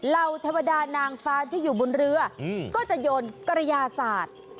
เหล่าธรรมดานางฟ้าที่อยู่บนเรือก็จะโยนกระยาศาสตร์